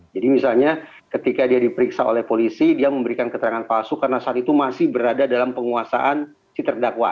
jadi misalnya ketika dia diperiksa oleh polisi dia memberikan keterangan palsu karena saat itu masih berada dalam penguasaan si terdakwa